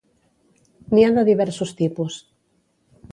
N'hi ha de diversos tipus.